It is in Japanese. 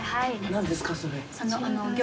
何ですかそれ？